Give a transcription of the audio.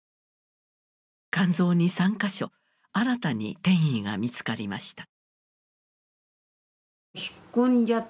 肝臓に３か所新たに転移が見つかりました。